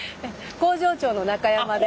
工場長の中山です。